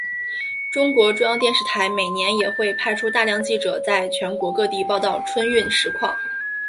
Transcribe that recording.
中国中央电视台每年也会派出大量记者在全国各地报道春运实况。